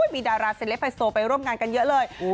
มีดาราเซลปไฮโซไปร่วมงานกันเยอะเลย